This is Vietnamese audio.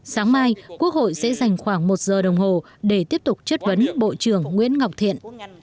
sáng mai quốc hội sẽ dành khoảng một giờ đồng hồ để tiếp tục chất vấn bộ trưởng nguyễn ngọc thiện